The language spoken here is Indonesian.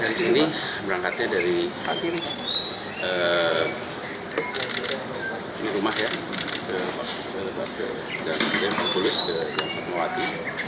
dari sini berangkatnya dari rumah ya ke jalan sudirman pulus ke jalan fatmawati